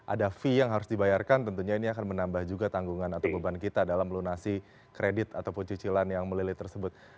ada fee yang harus dibayarkan tentunya ini akan menambah juga tanggungan atau beban kita dalam melunasi kredit ataupun cicilan yang melilit tersebut